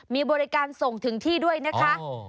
มีบริการส่งถึงที่ด้วยนะคะ